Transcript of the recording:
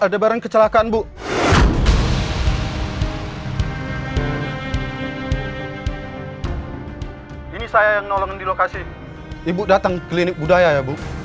ada barang kecelakaan bu ini saya yang nolongan di lokasi ibu datang klinik budaya ya bu